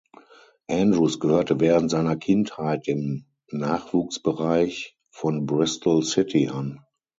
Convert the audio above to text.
Andrews gehörte während seiner Kindheit dem Nachwuchsbereich von Bristol City an.